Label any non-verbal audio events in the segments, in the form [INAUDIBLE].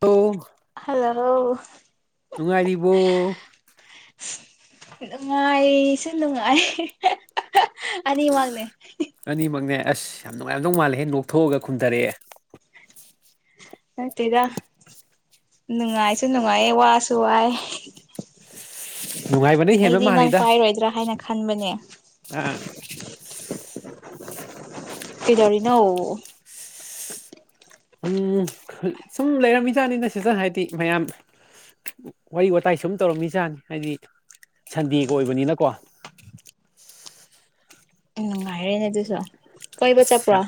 ꯇ ꯍ ꯅꯨꯡꯉꯥꯏꯔꯤꯔꯤꯕꯣ ꯅꯨꯡꯉꯥꯏꯁꯨ ꯅꯨꯡꯉꯥꯏ ꯑꯅꯤꯃꯒꯅꯦ ꯑ ꯌꯥꯝ ꯅꯨꯡꯉꯥꯏꯔꯝꯗꯧ ꯃꯥꯜꯂꯦ ꯍꯦ ꯅꯣꯛꯊꯣꯛꯑꯒ ꯈꯟꯊꯔꯛꯑꯦ ꯍꯥꯏ ꯇꯗ ꯅꯨꯡꯉꯥꯏꯁꯨ ꯅꯨꯡꯉꯥꯏꯌꯦ ꯋꯥꯁꯨ ꯋꯥꯏ ꯅꯨꯡꯉꯥꯏꯕꯅ ꯍꯦꯟꯕ ꯑꯩꯗꯤ ꯅꯪ ꯃꯥꯜꯂꯤꯗ ꯄꯥꯏꯔꯣꯏꯗ꯭ꯔꯥ ꯍꯥꯏꯅ ꯈꯟꯕꯅꯦ ꯑꯥ ꯀꯤꯗꯔꯤꯅ ꯎꯝ ꯁꯨꯝ ꯂꯩꯔꯝꯃꯤꯖꯥꯠꯅꯤꯅ ꯁꯤꯗ ꯍꯥꯏꯗꯤ ꯃꯌꯥꯝ ꯋꯥꯔꯤ ꯋꯥꯇꯥꯏ ꯁꯨꯝ ꯇꯧꯔꯝꯃꯤ ꯁꯥꯅꯤ ꯍꯥꯏꯗꯤ ꯁꯟꯗꯦꯒ ꯑꯣꯏꯕꯅꯤꯅꯀꯣ ꯉꯥꯏꯔꯅꯦꯗꯨꯁꯣ ꯀꯕ ꯆꯄ꯭ꯔ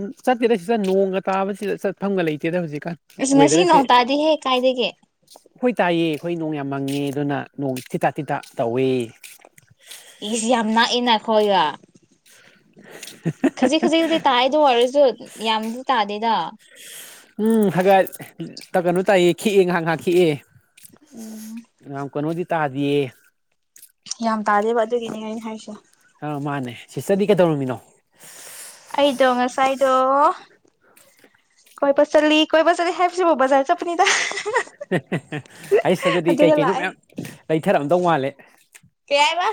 ꯎ ꯆꯠꯇꯦꯗ ꯁꯤꯗ ꯅꯣꯡꯒ ꯇꯥꯕꯁꯤꯗ ꯆꯠꯐꯝꯒ ꯂꯩꯇꯦꯗ ꯍꯧꯖꯤꯛ ꯑꯁ ꯉꯁꯤ ꯋꯦꯗꯔꯁꯦ ꯅꯣꯡ ꯇꯥꯗꯤꯍꯦ ꯀꯥꯏꯗꯒꯤ ꯑꯩꯈꯣꯏ ꯇꯥꯏꯌꯦ ꯑꯩꯈꯣꯏ ꯅꯣꯡ ꯌꯥꯝ ꯃꯪꯉꯦ ꯑꯗꯨꯅ ꯅꯣꯡ ꯇꯤ ꯇꯥ ꯇꯤ ꯇ ꯇꯧꯏꯤ ꯏꯁꯤ ꯌꯥꯝ ꯅꯥꯛꯏꯅ ꯑꯩꯈꯣꯏꯒ ꯈꯖꯤꯛ ꯈꯖꯤꯛꯛꯇꯗꯤ ꯇꯥꯏꯗꯣ ꯑꯣꯏꯔꯁꯨ ꯌꯥꯝꯗꯤ ꯇꯥꯗꯦꯗ ꯎꯝ ꯍꯥꯏꯥꯏ ꯇ ꯀꯩꯅꯣ ꯇꯥꯏꯌꯦ ꯈꯤꯛꯑꯦ ꯉꯥꯏꯍ ꯉꯍꯥꯛ ꯈꯤꯛꯑꯦ ꯉꯍꯥꯡ ꯀꯩꯅꯣꯗꯤ ꯇꯥꯗꯌꯦ ꯌꯥꯝ ꯇꯥꯗꯦꯕ ꯑꯗꯨꯒꯤꯅꯦ ꯑꯩꯅ ꯍꯥꯏꯁꯦ ꯑꯥ ꯃꯥꯅꯦ ꯁꯤꯁꯇꯔꯗꯤ ꯀꯩꯗꯧꯔꯝꯃꯤꯅꯣ ꯗꯉ ꯉꯁꯥꯏꯗꯣ ꯀꯣꯏ ꯄ ꯆ ꯀꯣꯏ ꯄ ꯆꯂꯤ ꯍꯥꯏꯁꯤꯕꯨꯣ ꯕꯖꯔ ꯆꯄꯅꯤꯗ ꯑꯩꯁ ꯑꯗꯨꯗꯤ ꯀꯩ ꯀꯩꯅꯣ ꯂꯥꯛꯑꯦ ꯃꯌꯥꯝ ꯂꯩꯊꯔꯛꯑꯝꯗꯧ ꯃꯥꯜꯂꯦ ꯌꯥꯕ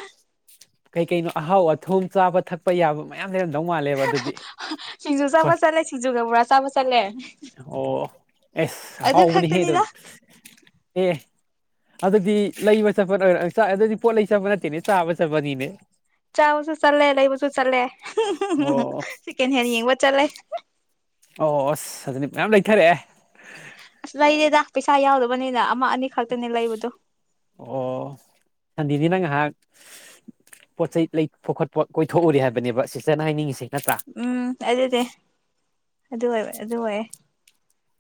ꯀꯩ ꯀꯩꯅꯣ ꯑꯍꯥꯎ ꯑꯊꯨꯝ ꯆꯥꯕ ꯊꯛꯄ ꯌꯥꯕ ꯃꯌꯥꯝ ꯂꯩꯔꯝꯗꯧ ꯃꯥꯜꯂꯦꯕ ꯑꯗꯨꯗꯤ ꯁꯤꯡꯖꯨ ꯍꯣꯏ ꯆꯥꯕ ꯆꯠꯂꯦ ꯁꯤꯡꯖꯨꯒ ꯕꯣꯔꯥ ꯆꯥꯕ ꯆꯠꯂꯦ ꯑꯣ ꯑꯦꯁ ꯑꯗꯨ ꯍꯥꯎꯕꯨꯅꯤ ꯍꯗ ꯈꯛꯇꯅꯤꯗ ꯑꯦ ꯑꯗꯨꯗꯤ ꯂꯩꯕ ꯆꯠꯄꯔ ꯑꯗꯨꯗꯤ ꯄꯣꯠ ꯂꯩ ꯆꯠꯄ ꯅꯠꯇꯦꯅꯦ ꯆꯥꯕ ꯆꯠꯄꯅꯤꯅꯦ ꯆꯥꯕꯁꯨ ꯆꯠꯂꯦ ꯂꯩꯕꯁꯨ ꯆꯠꯂꯦ ꯑꯣ ꯁꯦꯀꯦꯟ ꯍꯦꯟ ꯌꯦꯡꯕ ꯆꯠꯂꯦ ꯑꯣ ꯑꯁ ꯑꯗꯨꯖꯤꯅꯤ ꯃꯌꯥꯝ ꯂꯩꯊꯔꯛꯑꯦ ꯑꯁ ꯂꯩꯔꯦꯗ ꯄꯩꯁꯥ ꯌꯥꯎꯗꯕꯅꯤꯅ ꯑꯃ ꯑꯅꯤ ꯈꯛꯇꯅꯦ ꯂꯩꯕꯗꯣ ꯑꯣ ꯁꯗꯤꯅꯤ ꯅꯪ ꯍꯥꯏꯥꯛ ꯄꯣꯠ ꯆꯩ ꯂꯩꯄ ꯈꯣꯠꯄ ꯀꯣꯏꯊꯣꯛꯎꯔꯤꯦ ꯍꯥꯏꯕꯅꯦꯕ ꯁꯤꯇꯔꯅ ꯍꯥꯏꯅꯤꯡꯉꯤꯁꯦ ꯅꯠꯇ꯭ꯔꯥ ꯎꯝ ꯑꯗꯨꯗꯤ ꯑꯗꯨ ꯑꯣꯏ ꯑꯗꯨ ꯑꯣꯏꯌꯦꯦ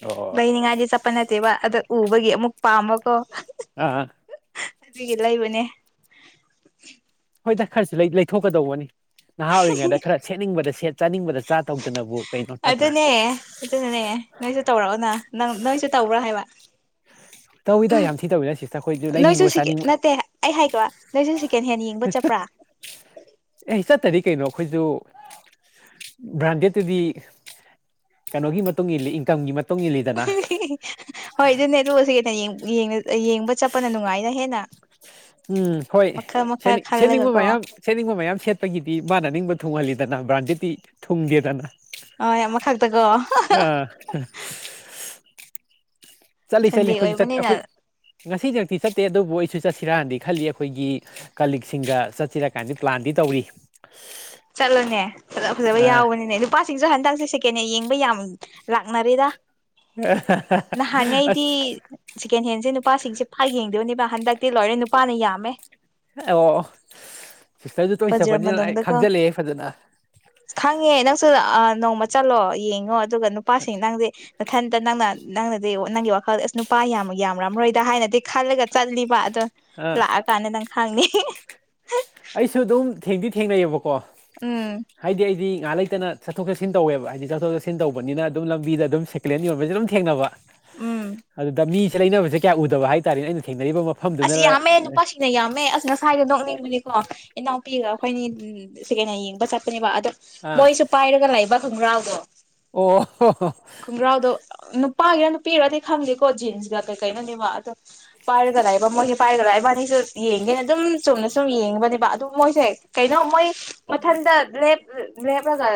ꯑꯣ ꯕꯩꯅꯤ ꯉꯥꯁꯦ ꯆꯞꯄ ꯅꯠꯇꯦꯕ ꯑꯗ ꯎꯕꯒꯤ ꯑꯃꯨꯛ ꯄꯥꯃꯀꯣ ꯑꯥ ꯑꯗꯨꯒꯤ ꯂꯩꯕꯅꯦ ꯍꯣꯏꯗ ꯈꯔꯁꯨ ꯂꯩꯊꯣꯛꯀꯗꯧꯕꯅꯤ ꯅꯍꯥ ꯑꯣꯏꯔꯤꯉꯩꯗ ꯈꯔ ꯁꯦꯠꯅꯤꯡꯕꯗ ꯁꯦꯠ ꯆꯥꯅꯤꯡꯕꯗ ꯆꯥ ꯇꯧꯗꯅꯕꯨ ꯀꯩꯅꯣ ꯅꯠꯇ꯭ꯔꯥ ꯑꯗꯨꯅꯦ ꯑꯗꯨꯅꯅꯦ ꯅꯣꯏꯁꯨ ꯇꯧꯔꯛꯑꯣꯅ ꯅꯪ ꯅꯣꯏꯁꯨ ꯇꯧꯕ꯭ꯔꯥ ꯍꯥꯏꯕ [UNINTELLIGIBLE] ꯇꯧꯋꯤꯗ ꯌꯥꯝ ꯊꯤ ꯇꯧꯋꯤꯗ ꯁꯤꯁꯇꯔ ꯑꯩꯈꯣꯏꯁꯨ ꯎ ꯅꯣꯏꯁꯨ ꯂꯩꯅꯤꯡꯕ ꯆꯥꯅꯤꯡꯕ ꯅꯠꯇꯦ ꯑꯩ ꯍꯥꯏꯈꯣ ꯅꯣꯏꯁꯨ ꯁꯤꯀꯦꯟ ꯍꯦꯟꯅ ꯌꯦꯡꯕ ꯆꯠꯄ꯭ꯔꯥ [UNINTELLIGIBLE] ꯑꯦ ꯆꯠꯇꯗꯤ ꯀꯩꯅꯣ ꯑꯩꯈꯣꯏꯁꯨ ꯕ꯭ꯔꯥꯟꯗꯦꯗꯠꯇꯨꯗꯤ ꯀꯩꯅꯣꯒꯤ ꯃꯇꯨꯡ ꯏꯜꯂꯤ ꯏꯟꯀꯝꯒꯤ ꯃꯇꯨꯡ ꯏꯜꯂꯤꯗꯅ ꯍꯣꯏ ꯑꯗꯨꯅꯦ ꯑꯗꯨ ꯁꯤ ꯀꯩꯅ ꯌꯦꯡꯕ ꯆꯠꯄꯅ ꯅꯨꯡꯉꯥꯏꯅ ꯍꯦꯟꯅ ꯎꯝ ꯍꯣꯏ ꯃꯈꯜ ꯃꯈꯜ ꯁꯦꯠꯅꯤꯡꯕ ꯈꯜꯂꯒꯀꯣ ꯃꯌꯥꯝ ꯁꯦꯠꯅꯤꯡꯕ ꯃꯌꯥꯝ ꯁꯦꯠꯄꯒꯤꯗꯤ ꯃꯅꯅꯤꯡꯕ ꯊꯨꯡꯍꯜꯂꯤ ꯗꯅ ꯕ꯭ꯔꯥꯟꯗꯤꯦꯗꯤꯤ ꯊꯨꯡꯗꯦꯗꯅ ꯍꯣꯏ ꯑꯃꯛꯇꯀꯣ ꯑꯥ ꯆꯠꯂꯤ ꯆꯠꯂꯤ ꯑꯩꯈꯣꯏꯁꯨ ꯆꯦ ꯑꯣꯏꯕꯅꯤꯅ ꯑꯩꯈꯣꯏ ꯉꯁꯤꯗꯛꯇꯤ ꯆꯠꯇꯦ ꯑꯗꯨꯕꯨ ꯑꯩ ꯁꯤꯨ ꯆꯠꯁꯤꯔꯛꯀꯥꯟꯗꯤ ꯈꯜꯂꯤ ꯑꯩꯈꯣꯏꯒꯤ ꯀꯂꯤꯛꯁꯤꯡꯒ ꯆꯠꯁꯤꯔꯀꯥꯟꯗꯤ ꯄ꯭ꯂꯥꯟꯗꯤ ꯇꯧꯔꯤ ꯆꯠꯂꯣꯅꯦ ꯆꯠꯂ ꯐꯖꯕ ꯑꯥ ꯌꯥꯎꯕꯅꯤꯅꯦ ꯅꯨꯄꯥꯁꯤꯡꯁꯨ ꯍꯟꯗꯛꯁꯦ ꯁꯦꯀꯟꯅ ꯌꯦꯡꯕ ꯌꯥꯝ ꯎ ꯂꯥꯛꯅꯦꯗꯥ ꯑꯁ ꯅꯍꯥꯟꯉꯩꯗꯤ ꯁꯦꯀꯦꯟ ꯍꯦꯟꯁꯦ ꯅꯨꯄꯥꯁꯤꯡꯁꯦ ꯐꯥ ꯌꯦꯡꯗꯕꯅꯦꯕ ꯍꯟꯗꯛ ꯏꯤ ꯂꯣꯏꯔꯦ ꯅꯨꯄꯥꯅ ꯌꯥꯝꯃꯦ ꯑꯕꯣ ꯖꯤꯔꯥ ꯃꯅꯨꯡꯗꯒ ꯈꯪꯉꯦ ꯅꯪꯁꯨ ꯅꯣꯡꯃ ꯆꯠꯂꯣ ꯌꯦꯡꯉꯣ ꯑꯗꯨꯒ ꯅꯨꯄꯥꯁꯤꯡ ꯅꯪꯗꯤꯦ ꯃꯊꯟꯇ ꯅꯪꯅ ꯅꯪꯅꯗꯤ ꯅꯪꯒꯤ ꯋꯥꯈꯜꯗ ꯑꯁ ꯅꯨꯄꯥ ꯌꯥꯝ ꯌꯥꯝꯥꯃꯔꯣꯏꯗ ꯍꯥꯏꯅꯗꯤ ꯈꯜꯂꯒ ꯆꯠꯂꯤꯕ ꯑꯗꯣ ꯑꯥ ꯂꯥꯛꯑꯀꯥꯟꯗ ꯅꯪ ꯈꯪꯅꯤ ꯑꯩꯁꯨ ꯑꯗꯨꯝ ꯊꯦꯡꯗꯤ ꯊꯦꯡꯅꯩꯑꯕꯀꯣ ꯎꯝ ꯍꯥꯏꯗꯤ ꯑꯩꯗꯤ ꯉꯥꯏꯍꯥꯛ ꯂꯩꯇꯅ ꯆꯠꯊꯣꯛ ꯆꯠꯟ ꯇꯋꯦꯕ ꯍꯥꯏꯗꯤ ꯆꯠꯊꯣꯛ ꯆꯠꯁꯤꯟ ꯇꯧꯕꯅꯤꯅ ꯑꯗꯨꯝ ꯂꯝꯕꯤꯗ ꯑꯗꯨꯝ ꯁꯦꯀꯂꯦꯟ ꯌꯣꯟꯕꯁꯦ ꯑꯗꯨꯝ ꯊꯦꯡꯅꯕ ꯎꯝ ꯑꯗꯨꯗ ꯃꯤꯁꯦ ꯂꯩꯅꯕꯁꯦ ꯀꯌꯥ ꯎꯗꯕ ꯍꯥꯏꯇꯥꯔꯦꯅꯦ ꯑꯩꯅ ꯊꯦꯡꯅꯔꯤꯕ ꯃꯐꯝ ꯑꯁ ꯌꯥꯝꯃꯦ ꯅꯨꯄꯥꯁꯤꯡꯅ ꯌꯥꯝꯃꯦ ꯑꯁ ꯉꯁꯥꯏꯗꯣ ꯅꯣꯛꯅꯤꯡꯕꯅꯤꯀꯣ ꯏꯅꯥꯎꯄꯤꯒ ꯑꯩꯈꯣꯏꯅꯤ ꯁ ꯀꯩꯅ ꯍꯥꯏ ꯌꯦꯡꯕ ꯆꯠꯄꯅꯦꯕ ꯑꯗꯣ ꯃꯣꯏꯁꯨ ꯄꯥꯏꯔꯒ ꯂꯩꯥꯏꯕ ꯈꯪ꯭ꯔꯥꯕꯣ ꯑꯣꯣ ꯅꯨꯄꯥꯒꯤꯔ ꯅꯨꯄꯤꯔꯗꯤ ꯈꯪꯒꯦꯀꯣ ꯖꯤꯟꯁꯒ ꯀꯩꯀꯩꯅꯅꯦꯕ ꯑꯗꯣ ꯄꯥꯏꯔꯒ ꯂ ꯃꯣꯏꯁꯦ ꯄꯥꯏꯒꯗ꯭ꯔꯥ ꯏꯕꯥꯅꯤꯁꯨ ꯌꯦꯡꯒꯦꯅ ꯑꯗꯨꯝ ꯆꯨꯝꯅ ꯁꯨꯝ ꯌꯦꯡꯉꯕꯅꯦꯕ ꯑꯗꯨ ꯃꯣꯏꯁꯦ ꯀꯩꯅꯣ ꯃꯣꯏ ꯃꯊꯟꯗꯦꯞ ꯂꯦꯞꯂꯒ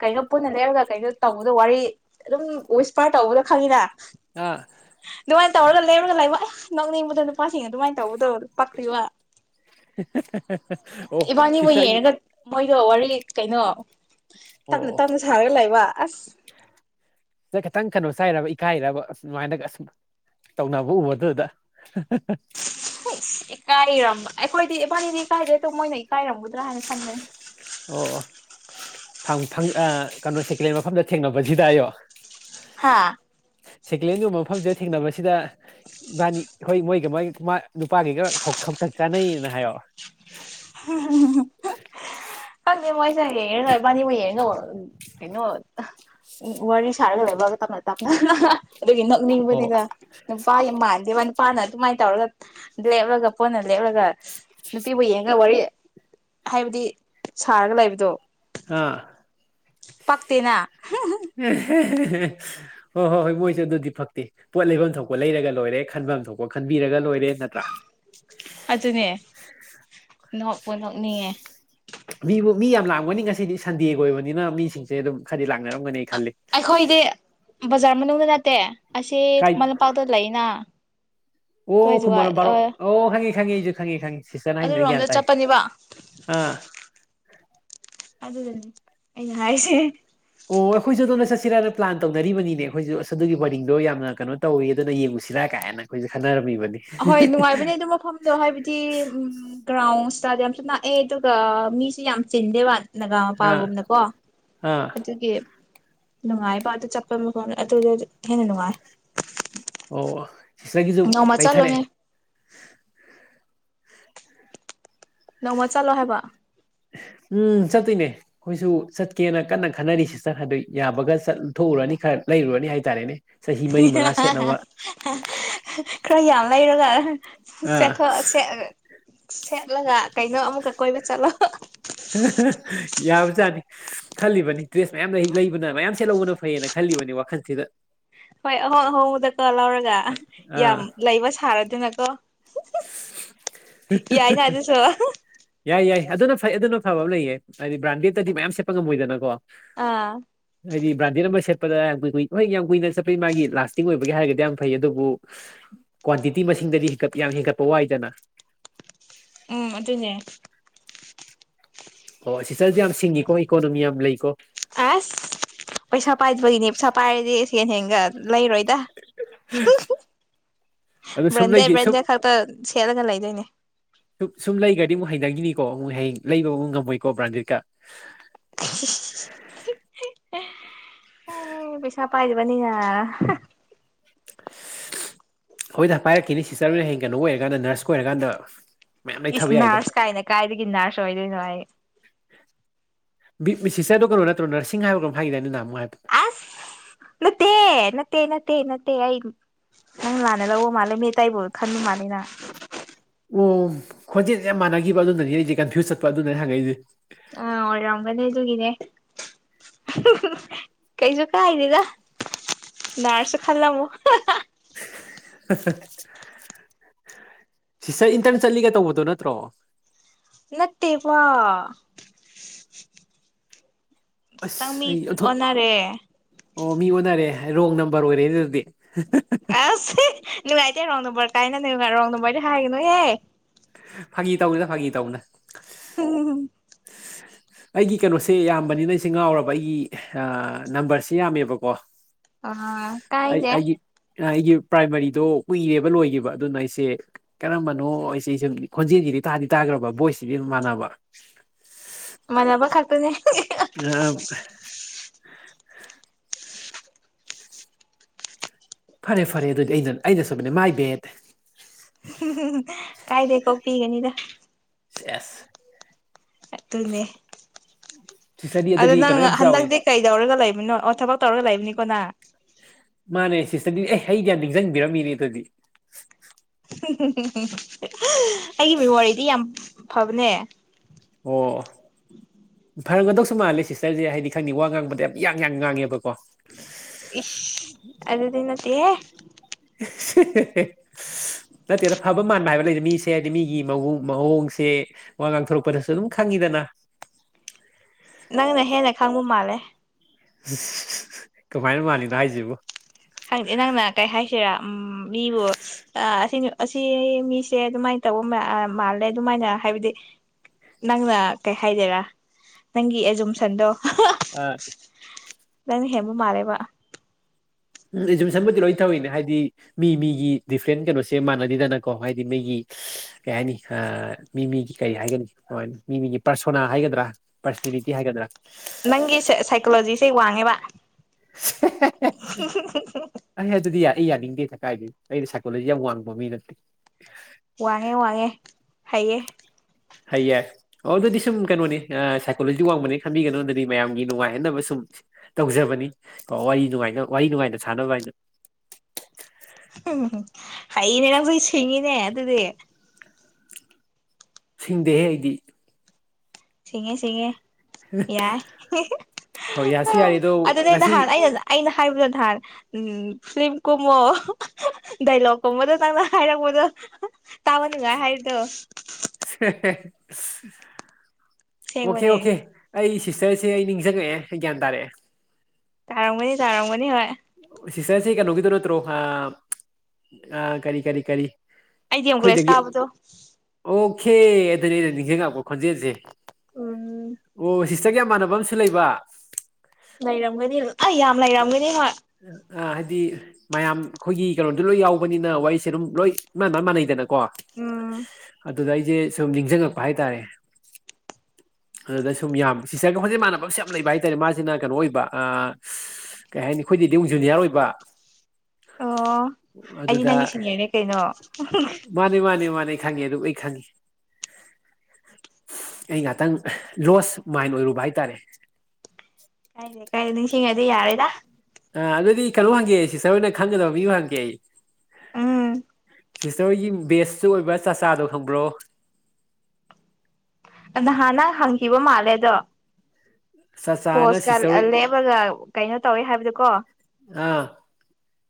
ꯀꯩꯅꯣ ꯄꯨꯟꯅ ꯂꯦꯞꯂꯒ ꯀꯩꯅꯣ ꯇꯧꯕꯗꯣ ꯋꯥꯔꯤ ꯑꯗꯨꯝ ꯋꯤꯁꯄꯔ ꯇꯧꯕꯗꯣ ꯈꯪꯉꯤꯅ ꯑꯥ ꯑꯗꯨꯃꯥꯏꯅ ꯇꯧꯔꯒ ꯂꯩꯔꯒ ꯂꯩꯕ ꯑꯦ ꯅꯧꯅꯤꯡꯕꯗ ꯅꯨꯄꯥꯁꯤꯡꯅ ꯑꯗꯨꯃꯥꯏꯅ ꯇꯧꯕꯗꯣ ꯄꯥꯛꯄꯤꯣ ꯑꯣ ꯁꯤꯁꯥꯒꯤ ꯌꯦꯡꯉꯒ ꯃꯣꯏꯗꯣ ꯋꯥꯔꯤ ꯀꯩꯅꯣ ꯇꯞꯅ ꯑꯣ ꯑꯣ ꯇꯞꯅ ꯁꯥꯔꯒ ꯂꯩꯕ ꯑꯁ ꯈꯤꯇꯪ ꯀꯩꯅꯣ ꯆꯥꯏꯔꯕ ꯏꯀꯥꯏꯔꯕ ꯁꯃꯥꯏꯅꯒ ꯑꯁ ꯇꯧꯅꯕ ꯎꯕꯗꯨꯗ ꯏꯀꯥꯏꯔꯝꯕ ꯑꯩꯈꯣꯏꯗꯤ ꯏꯕꯥꯅꯤꯗꯤ ꯏꯀꯥꯏꯗꯦ ꯇꯣ ꯃꯣꯏꯅ ꯏꯀꯥꯏꯔꯝꯕ ꯂꯅ ꯁꯥꯟꯒꯦ ꯪ ꯀꯩꯅꯣ ꯁꯦꯀꯂꯦꯟ ꯃꯐꯝꯗ ꯊꯦꯡꯅꯕꯁꯤꯗ ꯑꯌꯣ ꯍꯥꯥ ꯁꯦꯀꯂꯦꯟꯒꯨꯝꯕ ꯃꯐꯝꯁꯤꯗ ꯊꯦꯡꯅꯕꯁꯤꯗ ꯏꯕꯥꯅꯤ ꯑꯩꯈꯣꯏ ꯃꯣꯏꯒ ꯃꯣꯏ ꯅꯨꯄꯥꯒꯤꯒ ꯈꯛꯇꯛ ꯆꯥꯅꯩꯌꯦꯅ ꯍꯥꯏꯌꯣ [UNINTELLIGIBLE] ꯀꯜ ꯃꯁꯦ ꯍꯦꯅ ꯄꯕꯨ ꯍꯦꯅ ꯍꯦꯣ ꯎ ꯋꯥꯔꯤ ꯋꯥꯔꯤ ꯁꯔꯦ ꯂꯩꯦꯕꯕ ꯃꯇꯝ ꯇꯅ ꯑꯗꯨ ꯏꯅꯅꯤ ꯑꯣ ꯅꯤꯡꯕꯅꯤꯗ ꯋꯥ ꯌꯥꯝꯃꯦ ꯋꯥ ꯅꯨꯄꯥꯅ ꯑꯗꯨꯃꯥꯏꯅ ꯇꯧꯔꯒ ꯂꯦꯞꯂꯒ ꯄꯣꯟꯅ ꯂꯦꯞꯂꯒ ꯅꯨꯄꯤꯕꯨ ꯌꯦꯡꯉꯒ ꯋꯥꯔꯤ ꯍꯥꯏꯕꯗꯤ ꯁꯥꯔꯒ ꯂꯩꯕꯗꯣ ꯑꯥ ꯄꯥꯛ ꯇꯅ ꯍꯣꯏ ꯍꯣꯏ ꯍꯣꯏ ꯃꯣꯏꯁꯨꯦ ꯑꯗꯨꯗꯤ ꯐꯛꯇꯦ ꯄꯣꯠ ꯂꯩꯐꯝ ꯊꯣꯛꯄ ꯂꯩꯔꯒ ꯂꯣꯏꯔꯦ ꯈꯟꯕ ꯊꯣꯛꯄ ꯈꯟꯕꯤꯔꯒ ꯂꯣꯏꯔꯦ ꯅꯠꯇ꯭ꯔꯥ ꯅꯣꯛ ꯄꯅꯣꯛꯅꯤꯌꯦ ꯃꯤꯕꯨ ꯃꯤ ꯌꯥꯝ ꯂꯥꯡꯒꯅꯤ ꯉꯁꯤꯗꯤ ꯁꯟꯗꯦꯒꯤ ꯑꯣꯏꯕꯅꯤꯅ ꯃꯤꯁꯤꯡꯁꯦ ꯑꯗꯨꯝ ꯈꯔꯗꯤ ꯂꯥꯡꯅꯔꯝꯒꯅꯤ ꯑꯩꯈꯣꯏꯗꯤ ꯕꯖꯥꯔ ꯃꯅꯨꯡꯗ ꯅꯠꯇꯦ ꯑꯁꯤ ꯀꯥꯏ ꯈꯨꯃꯟ ꯂꯝꯄꯥꯛꯇ ꯂꯩꯅ ꯑꯣ ꯑꯗꯨꯋꯥꯏꯖꯨꯒ ꯈꯨꯝꯕꯔꯔꯣ ꯑꯣ ꯈꯪꯉꯤ ꯈꯥꯉꯤꯁꯨ ꯈꯪꯉꯤ ꯈꯉꯤ ꯁꯁꯅ ꯍꯥꯏ ꯑꯗꯨꯔꯣꯝꯗ ꯃꯤꯔꯒꯇꯥꯏ ꯆꯠꯄꯅꯦꯕ ꯑ ꯑꯗꯨꯗꯅꯤ ꯑꯩꯅ ꯍꯥꯏꯔꯤꯁꯦ ꯑꯣ ꯑꯩꯈꯣꯏꯁꯨ ꯑꯗꯣꯅ ꯆꯠꯁꯤꯔꯥꯅ ꯄ꯭ꯂꯥꯟ ꯇꯧꯅꯔꯤꯕꯅꯤꯅꯦ ꯑꯩꯈꯣꯏꯁꯨ ꯑꯁ ꯑꯗꯨꯒꯤ ꯋꯥꯔꯤꯡꯗꯣ ꯌꯥꯝꯅ ꯀꯩꯅꯣ ꯇꯧꯋꯤ ꯑꯗꯨꯅ ꯌꯦꯡ ꯁꯤꯗ ꯀꯥꯏꯅ ꯑꯩꯈꯣꯏꯁ ꯈꯟꯅꯔꯝꯃꯤꯕ ꯑꯍꯣꯏ ꯅꯨꯡꯉꯥꯏꯕꯅꯦ ꯑꯗꯨ ꯃꯐꯝꯗꯣ ꯍꯥꯏꯕꯗꯤ ꯎ ꯒ꯭ꯔꯥꯎꯟꯁ ꯆꯗ ꯌꯥꯝꯁꯨꯑ ꯑꯗꯨꯒ ꯃꯤꯁꯨꯦ ꯌꯥꯝ ꯆꯤꯟꯗꯦ ꯋꯥꯅꯤ ꯒꯥ ꯑꯥ ꯃꯄꯥꯒꯨꯝꯅꯀꯣ ꯑꯥ ꯑꯗꯨꯒꯤ ꯅꯨꯡꯉꯥꯏꯕ ꯑꯗꯨ ꯆꯠꯄ ꯃꯐꯝ ꯑꯗꯨꯗ ꯍꯦꯟꯅ ꯅꯨꯡꯉꯥꯏ ꯑꯣ ꯏꯆꯒꯤꯁꯨ ꯅꯣꯡꯃ ꯂꯩꯊꯔꯛꯑꯦ ꯆꯠꯂꯣꯅꯦ ꯅꯣꯡꯃ ꯆꯠꯂꯣ ꯍꯥꯏꯕ ꯎꯝ ꯆꯠꯇꯣꯏꯅꯦ ꯑꯩꯈꯣꯏꯁꯨ ꯆꯠꯀꯦꯅ ꯀꯟꯅ ꯈꯟꯅꯔꯤ ꯁꯤꯁꯇꯔ ꯑꯗꯨ ꯌꯥꯕꯒ ꯆꯠꯊꯎꯨꯔꯅꯤ ꯈꯔ ꯂꯩꯔꯨꯔꯅꯤ ꯍꯥꯏꯇꯥꯔꯦꯅꯦ ꯆꯍꯤ ꯃꯔꯤ ꯃꯉꯥ ꯁꯦꯠꯅꯕ ꯈꯔ ꯌꯥꯝ ꯂꯩꯔꯒ ꯑꯥ ꯆꯦꯊꯣꯛꯦ ꯁ ꯁꯦꯠꯂꯒ ꯀꯩꯅꯣ ꯑꯃꯨꯛꯀ ꯀꯣꯏꯕ ꯆꯠꯂꯣ ꯌꯥꯕꯖꯥꯠꯅꯤ ꯈꯜꯂꯤꯕꯅꯤ ꯗ꯭ꯔꯦꯁ ꯃꯌꯥꯝ ꯂꯩ ꯂꯩꯕꯅ ꯃꯌꯥꯝ ꯁꯦꯠꯍꯧꯕꯅ ꯈꯜꯂꯤꯣꯅꯤ ꯋꯥ ꯈꯜꯁꯤꯗ ꯍꯣꯏ ꯑꯍꯣꯡ ꯑꯍꯣꯡꯕꯗ ꯀ ꯂꯧꯔꯒ ꯌꯥꯝ ꯑꯥ ꯂꯩꯕ ꯁꯥꯔꯗꯣꯏꯅꯀꯣ ꯑꯗꯨꯁꯨ ꯌꯥꯏ ꯌꯥꯏ ꯑꯗꯨꯅ ꯐꯩ ꯑꯗꯨꯅ ꯐꯕ ꯑꯃ ꯂꯩꯌꯦ ꯍꯥꯏꯗꯤ ꯕ꯭ꯔꯥꯟꯗꯦꯗꯠꯇꯗꯤ ꯃꯌꯥꯝ ꯁꯦꯠꯄ ꯉꯝꯃꯣꯏꯗꯅꯀꯣ ꯑꯥ ꯍꯥꯏꯗꯤ ꯕ꯭ꯔꯥꯟꯗꯦꯗ ꯑꯃ ꯁꯦꯠꯄꯗ ꯌꯥꯝ ꯀꯨꯏꯨꯏ ꯍꯣꯏ ꯌꯥꯝ ꯀꯨꯏꯅ ꯆꯠꯄꯩ ꯃꯥꯒꯤ ꯂꯥꯁꯇꯤꯡ ꯑꯣꯏꯕꯒꯤ ꯍꯥꯏꯔꯒꯗꯤ ꯌꯥꯝ ꯐꯩ ꯑꯗꯨꯕꯨ ꯀ꯭ꯋꯥꯟꯇꯤꯇꯤ ꯃꯁꯤꯡꯗꯗꯤ ꯍꯦꯟꯠ ꯌꯥꯝ ꯍꯦꯟꯀꯠꯄ ꯋꯥꯏꯗꯅ ꯎꯝ ꯑꯗꯨꯅꯦ ꯑꯣ ꯁꯤꯆꯜꯁꯦ ꯌꯥꯝ ꯁꯤꯡꯉꯤꯀꯣ ꯏꯀꯣꯅꯣꯃꯤ ꯌꯥꯝ ꯂꯩꯀꯣ ꯑꯁ ꯄꯩꯁꯥ ꯄꯥꯏꯗꯕꯒꯤꯅꯤ ꯄꯩꯁꯥ ꯄꯥꯏꯔꯗꯤ ꯁꯦꯟ ꯍꯦꯟꯒ ꯂꯩꯔꯣꯏꯗ ꯑꯗꯨ ꯁꯨꯝ ꯂꯩꯒꯦ ꯁꯨꯝ ꯕꯟꯖ ꯭ꯔꯟꯖꯥ ꯈꯔꯛꯇ ꯈꯦꯠꯂꯒ ꯂꯩꯗꯣꯏꯅꯦ ꯁꯨꯝ ꯁꯨꯝ ꯂꯩꯈ꯭ꯔꯗꯤ ꯑꯃꯨꯛ ꯍꯩꯅꯈꯤꯅꯤꯀꯣ ꯑꯃꯨꯛ ꯍꯌꯦꯡ ꯂꯩꯕ ꯑꯃꯨꯛ ꯉꯝꯃꯣꯏꯀꯣ ꯕ꯭ꯔꯥꯟꯗꯤꯠꯀ [UNINTELLIGIBLE] ꯑꯦ ꯄꯩꯁꯥ ꯄꯥꯏꯗꯕꯅꯤ ꯌꯥ ꯍꯣꯏꯗ ꯄꯥꯏꯔꯛꯈꯤꯅꯤ ꯁꯤꯁꯇꯔꯅ ꯍꯌꯦꯡ ꯀꯩꯅꯣ ꯑꯣꯏꯔꯀꯥꯟꯗ ꯅꯔꯁꯀ ꯑꯣꯏꯔꯀꯥꯟꯗ ꯃꯌꯥꯝ ꯏꯁ ꯂꯩꯊꯕ ꯌꯥꯏꯗ ꯅꯅꯥꯔꯁ ꯀꯥꯏꯅ ꯀꯥꯏꯗꯒꯤ ꯅꯍꯔꯁ ꯑꯣꯏꯗꯣꯏꯅꯣ ꯍꯥꯏ ꯃꯤ ꯁꯤꯁꯇꯔꯗ ꯀꯩꯅꯣ ꯅꯠꯇ꯭ꯔꯣ ꯅꯔꯁꯤꯡ ꯍꯥꯏꯕ ꯀꯣꯝ ꯍꯥꯏꯒꯗꯅꯩꯅ ꯅꯝ ꯑꯁ ꯅꯠꯇꯦ ꯅꯠꯇꯦ ꯅꯠꯇꯦ ꯅꯠꯇꯦ ꯗ ꯑꯩ ꯅꯪ ꯂꯅ ꯂꯧꯑꯣ ꯃꯥꯂꯦ ꯃꯦ ꯇꯥꯏꯕꯨ ꯈꯟ ꯃꯥꯂꯅ ꯑꯣ ꯈꯣꯟꯖꯦꯜꯁꯦ ꯌꯥꯝ ꯃꯥꯟꯅꯈꯤꯕ ꯑꯗꯨꯅꯅꯤ ꯑꯩꯁꯦ ꯀꯟꯐ꯭ꯌꯨꯁ ꯆꯠꯄ ꯑꯗꯨꯅꯅꯦ ꯍꯪꯉꯛꯏꯁꯦ ꯑ ꯑꯣꯔꯝꯒꯗꯗꯨꯒꯅꯦꯦ ꯀꯩꯁꯨ ꯀ ꯍꯥꯏꯗꯗ ꯅꯔꯁꯨ ꯈꯜꯂꯝ ꯑꯃ ꯁꯤꯁꯇꯔ ꯏꯟꯇꯔꯟ ꯆꯠꯂꯤꯒ ꯇꯧꯕꯗꯣ ꯅꯠꯇ꯭ꯔꯣ ꯅꯠꯇꯦ ꯋꯥ ꯑꯁ ꯑꯩ ꯑꯣꯟꯅꯔꯦ ꯑꯣ ꯃꯤ ꯑꯣꯟꯅꯔꯦ ꯔꯣꯡ ꯅꯝꯕꯔ ꯑꯣꯏꯔꯦ ꯑꯗꯨꯗꯤ ꯑꯁ ꯅꯨꯡꯉꯥꯏꯇꯦ ꯔꯣꯡ ꯅꯨꯝꯕꯔ ꯀꯥꯏꯅ ꯔꯣꯡ ꯅꯨꯝꯕꯔꯗꯤ ꯍꯥꯏꯒꯅꯨꯍꯦ ꯐꯥꯒꯤ ꯇꯧꯅꯤꯗ ꯐꯥꯒꯤ ꯇꯧꯅ ꯍꯝ ꯑꯩꯒꯤ ꯀꯩꯅꯣꯁꯦ ꯌꯥꯝꯕꯅꯤꯅ ꯑꯩꯁꯦ ꯉꯥꯎꯔꯕ ꯑꯩꯒꯤ ꯅꯝꯕꯔꯁꯦ ꯌꯥꯝꯃꯦꯕꯀꯣ ꯑ ꯀ ꯑꯩ ꯏꯗꯦ ꯑꯩꯒꯤ ꯑꯩꯒꯤ ꯄ꯭ꯔꯥꯏꯃꯥꯔꯤꯗꯣ ꯀꯨꯏꯔꯦꯕ ꯂꯣꯏꯈꯤꯕꯕ ꯑꯗꯨꯅ ꯑꯩꯁꯦ ꯀꯔꯝꯕꯅꯣ ꯑꯩꯁꯦ ꯁ ꯈꯣꯟꯖꯦꯜꯁꯤ ꯇꯥꯗꯤ ꯇꯥꯈ꯭ꯔꯕ ꯕꯣꯏꯁꯤꯗꯤ ꯑꯗꯨ ꯃꯥꯟꯅꯕ ꯃꯅꯕ ꯈꯥꯛꯇꯅꯦ ꯑ ꯐꯔꯦ ꯐꯔꯦ ꯑꯗꯨꯗꯤ ꯑꯩꯅ ꯑꯩꯅ ꯁꯕꯅꯦ ꯃꯥꯏ ꯕꯦꯠ ꯀꯥꯏꯗꯦ ꯀꯣꯛ ꯄꯤꯒꯅꯤꯗ ꯑꯦꯁ ꯇꯜꯃꯦ ꯁꯤꯁꯇꯔꯗꯤ ꯑꯗꯨꯗ ꯑꯗꯨꯗꯤ ꯅꯪ ꯀꯩꯅꯣ ꯌꯥꯝ ꯆꯥꯎꯋꯦ ꯍꯟꯗꯛꯇꯤ ꯀꯩꯗꯧꯔꯒ ꯂꯩꯕꯅꯣ ꯑꯣ ꯊꯕꯛ ꯇꯧꯔꯒ ꯂꯩꯕꯅꯤꯀꯣ ꯅ ꯃꯥꯅꯦ ꯁꯤꯁꯇꯗꯤ ꯑꯦ ꯑꯩꯗꯤ ꯅꯤꯡꯁꯤꯡꯕꯤꯔꯝꯃꯤꯅꯦ ꯑꯗꯨꯗꯤ ꯑꯩꯒꯤ ꯃꯦꯃꯣꯔꯤꯗꯤ ꯌꯥꯝ ꯐꯕꯅꯦ ꯑꯣ ꯐꯔꯝꯒꯗꯧꯁꯨ ꯃꯥꯜꯂꯦ ꯁꯤꯁꯇꯔꯁꯦ ꯍꯥꯏꯗꯤ ꯈꯪꯅꯤ ꯋꯥ ꯉꯥꯡꯕꯗ ꯌꯥꯝ ꯌꯥꯡ ꯌꯥꯝ ꯉꯥꯡꯉꯦꯕꯀꯣ ꯏꯁ ꯑꯗꯨꯗꯗꯤ ꯅꯠꯇꯦ ꯍ ꯅꯠꯇꯦꯗ ꯐꯕ ꯃꯥꯟꯕ ꯍꯥꯏꯕ ꯂꯩꯗ ꯃꯤꯁꯦ ꯍꯥꯏꯗꯤ ꯃꯤꯒꯤ ꯃꯑꯣꯡ ꯃꯑꯣꯡꯁꯦ ꯋꯥ ꯉꯥꯡꯊꯣꯔꯛꯄꯗꯁꯨ ꯑꯗꯨꯝ ꯈꯪꯉꯤꯗ ꯀꯅ ꯅꯪꯅ ꯍꯦꯟꯅ ꯈꯪꯕ ꯃꯥꯜꯂꯦ ꯀꯃꯥꯏꯅ ꯃꯥꯜꯂꯤꯅꯣ ꯍꯥꯏꯁꯤꯕꯣ ꯔ ꯎꯝ ꯃꯤꯕꯨ ꯑ ꯁꯤ ꯑꯁꯤ ꯃꯤꯁꯦ ꯑꯗꯨꯃꯥꯏꯅ ꯇꯧꯕ ꯃꯥꯜꯂꯦ ꯑꯗꯨꯃꯥꯏꯅ ꯍꯥꯏꯕꯗꯤ ꯅꯪꯅ ꯀꯩ ꯍꯥꯏꯥꯏꯗꯦꯔꯥ ꯅꯪꯒꯤ ꯑꯦꯖꯨꯝꯁꯟꯗꯣ ꯑ ꯅꯅꯤ ꯍꯦꯃ ꯃꯥꯔꯦꯕ ꯎꯝ ꯑꯦꯖꯨꯝꯁꯟꯕꯨꯗꯤ ꯂꯣꯏ ꯊꯧꯋꯤꯅꯦ ꯍꯥꯏꯗꯤ ꯃꯤ ꯃꯤꯒꯤ ꯗꯤꯐ꯭ꯔꯦꯟ ꯀꯩꯅꯣꯁꯦ ꯃꯥꯟꯅꯅꯤꯗꯅꯀꯣ ꯍꯥꯏꯗꯤ ꯃꯤꯒꯤ ꯀꯩ ꯍꯥꯏꯅꯤ ꯃꯤꯃꯤꯒꯤ ꯀꯩ ꯍꯥꯏꯒꯅꯤ ꯃꯤꯃꯤꯒꯤ ꯄꯔꯁꯣꯅꯥ ꯍꯥꯏꯒꯗ꯭ꯔꯥ ꯔꯤ ꯍꯥꯏꯒꯗ꯭ꯔꯥ ꯅꯪꯒꯤ ꯁꯥꯏꯀꯣꯂꯣꯖꯤꯁꯦ ꯋꯥꯡꯉꯦꯕ ꯑꯩꯗꯤ ꯌꯥꯏ ꯑꯩ ꯌꯥꯅꯤꯡꯗꯦ ꯀꯥꯏꯗꯦ ꯑꯩꯩꯅ ꯁꯥꯏꯀꯣꯂꯣꯖꯤ ꯌꯥꯝ ꯋꯥꯡꯕ ꯃꯤ ꯅꯠꯇꯦ ꯋꯥꯡꯉꯦ ꯋꯥꯡꯉꯦ ꯍꯩꯌꯦ ꯍꯩ ꯌꯥꯏ ꯑꯣ ꯑꯗꯨꯗꯤ ꯁꯨꯝ ꯀꯩꯅꯣꯅꯤ ꯁꯥꯏꯀꯣꯂꯣꯖꯤ ꯋꯥꯡꯕꯅꯤ ꯈꯟꯕꯤꯒꯅꯣꯗꯗꯤ ꯃꯌꯥꯝꯒꯤ ꯅꯨꯡꯉꯥꯏꯍꯟꯅꯕ ꯁꯨꯝ ꯇꯧꯖꯕꯅꯤ ꯀꯣ ꯋꯥꯔꯤ ꯅꯨꯡꯉꯥꯏꯅ ꯋꯥꯔꯤ ꯅꯨꯡꯉꯥꯏꯅ ꯁꯥꯟꯅꯕ ꯍꯥꯏꯅ ꯎꯝ ꯍꯅꯦ ꯅꯪꯁꯨ ꯑꯩ ꯁꯤꯡꯉꯤꯅꯦ ꯑꯗꯨꯗꯤ ꯁꯤꯡꯗꯦꯍꯦ ꯍꯥꯏꯗꯤ ꯁꯤꯉꯦ ꯁꯤꯉꯦ ꯌꯥꯏ ꯍꯣꯏ ꯌꯥꯁꯨ ꯌꯥꯔꯦ ꯑꯗꯣ ꯑꯗꯨꯗ ꯑ ꯉꯁꯤ ꯅꯍꯥꯟ ꯑꯩꯅ ꯑꯩꯅ ꯍꯥꯏꯕꯗꯣ ꯊꯥꯔꯦ ꯎꯝ ꯐꯤ ꯀꯨꯝꯕꯣ ꯗꯥꯏꯂꯣꯛꯀꯨꯝꯕꯗꯣ ꯅꯪꯅ ꯍꯥꯏꯔꯛꯄꯗꯣ ꯇꯥꯕꯅꯤꯒ ꯍꯥꯏꯗꯨꯣ ꯑꯣꯀꯦ ꯁꯦꯡꯕꯅꯦ ꯑꯣꯀꯦ ꯑꯩ ꯁꯤꯁꯇꯔꯁꯦ ꯑꯩ ꯅꯤꯡꯁꯤꯡꯉꯛꯑꯦ ꯑꯩ ꯒ꯭ꯌꯥꯟ ꯇꯥꯔꯛꯑꯦ ꯇꯔꯪꯒꯅꯤ ꯇꯔꯪꯒꯅꯤ ꯍ ꯁꯤꯁꯔꯁꯦ ꯀꯩꯅꯣꯒꯤꯗꯣ ꯅꯠꯇ꯭ꯔꯣ ꯑ ꯑ ꯀꯔꯤ ꯀꯔꯤ ꯀꯔꯤ ꯑꯩꯗꯤ ꯑꯡꯒꯂꯦꯖ ꯑꯩꯈꯣꯏꯗꯒꯤ ꯇꯥꯕꯗꯣ ꯦ ꯑꯗꯨꯅꯤ ꯑꯩꯅ ꯅꯤꯡꯁꯤꯡꯉꯥꯛꯄ ꯈꯣꯟꯖꯦꯜꯁꯦ ꯎꯝ ꯑꯣ ꯁꯤ ꯆꯆꯛ ꯌꯥꯝꯃꯥꯟꯅꯕ ꯑꯃꯁꯨ ꯂꯩꯕ ꯂꯩꯔꯝꯒꯅꯤ ꯑꯩ ꯌꯥꯝ ꯂꯩꯔꯝꯒꯅꯤ ꯍꯣꯏ ꯑ ꯍꯥꯏꯗꯤ ꯃꯌꯥꯝ ꯑꯩꯈꯣꯏꯒꯤ ꯀꯩꯅꯣꯝꯗꯣ ꯂꯣꯏ ꯌꯥꯎꯕꯅꯤꯅ ꯋꯥꯔꯤꯁꯦ ꯑꯗꯨꯝ ꯂꯣꯏ ꯏꯥꯟꯅꯕ ꯃꯥꯟꯅꯩꯗꯅ ꯀꯣ ꯎꯝ ꯑꯗꯨꯗ ꯑꯩꯁꯦ ꯁꯨꯝ ꯅꯤꯡꯁꯤꯡꯉꯛꯄ ꯍꯥꯏꯇꯥꯔꯦ ꯑꯗꯨꯗ ꯁꯨꯝ ꯌꯥꯝꯃꯦ ꯁꯤꯁꯇꯔꯒ ꯍꯧꯖꯤꯛ ꯃꯥꯟꯅꯕꯁꯨ ꯌꯥꯝ ꯂꯩꯕ ꯍꯥꯏꯇꯥꯔꯦ ꯃꯥꯁꯤꯅ ꯀꯩꯅꯣ ꯑꯣꯏꯕ ꯀꯩ ꯍꯥꯏꯅꯤ ꯑꯩꯈꯣꯏꯗꯤꯗꯤꯝ ꯖꯨꯅꯤꯌꯥꯔ ꯑꯣꯏꯕ ꯑꯣ ꯑꯩꯗꯤ ꯑꯗꯨꯗ ꯅꯪꯒꯤ ꯁꯤꯅꯤꯌꯔꯅꯦ ꯀꯩꯅꯣ ꯃꯥꯅꯤ ꯃꯥꯅꯤ ꯃꯥꯅꯤ ꯈꯪꯉꯦ ꯑꯗꯨ ꯏꯈꯪꯒꯤ ꯑꯩ ꯉꯥꯛꯇꯪ ꯂꯣꯁ ꯃꯥꯏꯟ ꯑꯣꯏꯔꯨꯕ ꯍꯥꯏꯇꯥꯔꯦ ꯀꯥꯏꯗꯦ ꯀꯥꯏꯗꯦ ꯅꯤꯡꯁꯤꯤꯡꯗꯤ ꯌꯥꯔꯦꯗ ꯑ ꯑꯗꯨꯗꯤ ꯈꯜꯂꯨ ꯍꯪꯒꯦ ꯁꯤ ꯁꯔꯣꯏꯅ ꯈꯪꯒꯗꯕ ꯃꯤꯕꯨ ꯍꯪꯒꯦ ꯑꯩ ꯎꯝ ꯁꯤꯁꯇꯔꯒꯤ ꯕꯦꯁꯁꯨ ꯑꯣꯏꯕ ꯆꯥꯛꯆꯥꯗꯣ ꯈꯪꯕ꯭ꯔꯣ ꯅꯍꯥꯟꯅ ꯍꯪꯈꯤꯕ ꯃꯥꯜꯂꯦꯗꯣ ꯆꯥꯆꯥꯅ ꯄꯣꯁꯀ ꯁꯤꯁꯇꯔ ꯍꯣꯏ ꯂꯦꯞꯄꯒ ꯀꯩꯅꯣ ꯇꯧꯋꯤ ꯍꯥꯏꯕꯗꯨꯀꯣ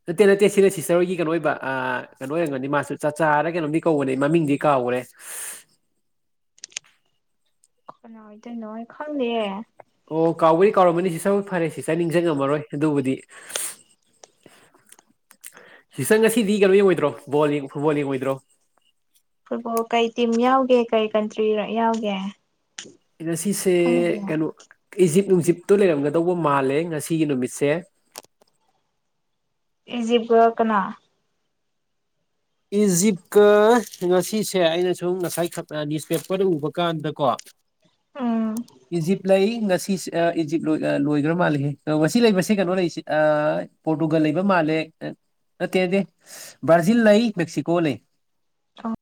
ꯅꯠꯇ ꯅꯠꯇꯦ ꯁꯤꯗꯦ ꯇꯆꯔꯒꯤ ꯀꯩꯅꯣ ꯑꯣꯏꯕ ꯑ ꯀꯩꯅꯣ ꯑꯣꯏꯔꯝꯒꯅꯤ ꯃꯥꯁꯨ ꯆꯥꯛꯆꯥꯔ ꯀꯩꯅꯣꯝꯗꯤ ꯀꯧꯕꯧꯅꯤ ꯃꯃꯤꯡꯗꯤ ꯀꯥꯎꯈꯔꯦ ꯀꯅꯥ ꯑꯣꯏꯗꯣꯏꯩꯅꯣꯣꯏ ꯈꯪꯗꯦ ꯑꯣ ꯀꯥꯎꯕꯗꯤ ꯀꯥꯎꯔꯝꯃꯅꯤ ꯁꯤ ꯁ ꯐꯔꯦ ꯁꯤ ꯆꯥꯏꯅꯤꯡꯁ ꯉꯝꯃꯔꯣꯏ ꯑꯗꯨꯕꯨꯗꯤ [UNINTELLIGIBLE] ꯍꯆꯪ ꯉꯁꯤꯗꯤ ꯀꯩꯅꯣ ꯌꯦꯡꯉꯣꯏꯗ꯭ꯔꯣ ꯕꯣꯜ ꯐꯨꯠꯕꯣꯜ ꯌꯦꯡꯉꯣꯏꯗ꯭ꯔꯣ ꯐꯨꯠꯕꯣꯜ ꯀꯩ ꯇꯤꯝ ꯌꯥꯎꯒꯦ ꯀꯩ ꯀꯟꯇ꯭ꯔꯤ ꯌꯥꯎꯒꯦ ꯁꯤꯁꯦ ꯈꯪꯗꯦ ꯀꯩꯅꯣ ꯏꯖꯤꯞ ꯅꯨꯡꯁꯤꯞꯇꯨ ꯂꯩꯔꯝꯒꯗꯧꯕ ꯃꯥꯜꯂꯦ ꯉꯁꯤꯒꯤ ꯅꯨꯃꯤꯠꯁꯦ ꯏꯖꯤꯞꯄ ꯀꯅꯥ ꯏꯖꯤꯞꯀ ꯉꯁꯤꯁꯦ ꯑꯩꯅ ꯁꯨꯝ ꯉꯁꯥꯏ ꯅ꯭ꯌꯨꯁꯄꯦꯄꯔ ꯎꯕ ꯀꯥꯟꯗꯀꯣ ꯑꯝ ꯏꯖꯤꯞ ꯂꯩ ꯉꯁꯤꯁꯦ ꯏꯖꯤꯞ ꯂꯣꯏ ꯂꯣꯏꯈ꯭ꯔꯥ ꯃꯥꯜꯂꯦꯍꯦ ꯉꯁꯤ ꯂꯩꯕꯁꯦ ꯀꯩꯅꯣ ꯂꯩꯔꯤꯁꯦ ꯄꯣꯔꯇꯨꯒꯜ ꯂꯩꯕ ꯃꯥꯜꯂꯦ ꯅꯠꯇꯦ ꯅꯠꯇꯦ ꯕ꯭ꯔꯥꯖꯤꯜ ꯂꯩ ꯃꯦꯛꯁꯤꯀꯣ ꯂꯩ ꯑꯣ